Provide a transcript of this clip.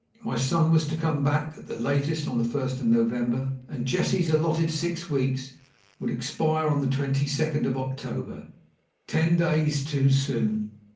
My son was to come back, at the latest, on the first of November, and Jessie's allotted six weeks would expire on the twenty second of October. Ten days too soon!